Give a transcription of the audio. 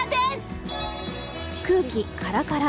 空気カラカラ。